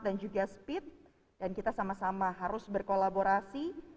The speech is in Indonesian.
dan juga speed dan kita sama sama harus berkolaborasi